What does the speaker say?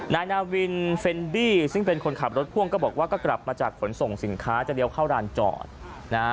นายนาวินเฟนบี้ซึ่งเป็นคนขับรถพ่วงก็บอกว่าก็กลับมาจากขนส่งสินค้าจะเลี้ยวเข้าร้านจอดนะฮะ